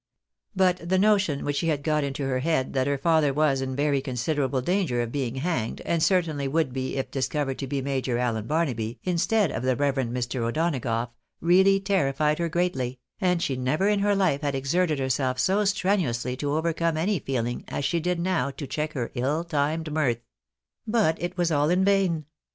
But the notion which she had got into her head, that her father was in very considerable danger of being hanged, and certainly ■would be if discovered to be Major Allen Barnaby, instead of the reverend Mr. O'Donagough, really terrified her greatly, and she never in her life had exerted herself so strenuously to overcome any feeling as she now did to check her ill timed mirth ; but it was all in vain.